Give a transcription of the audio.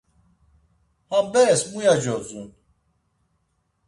Ham beres muya codzun?